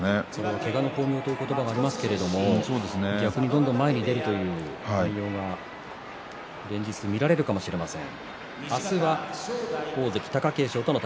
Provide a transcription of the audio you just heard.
けがの功名という言葉がありますけれども逆にどんどん前に出るという相撲が連日見られるかもしれません。